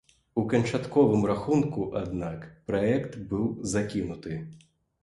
У канчатковым рахунку, аднак, праект быў закінуты.